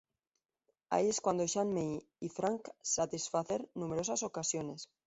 Ahí es cuando Shan Mei y Frank satisfacer numerosas ocasiones.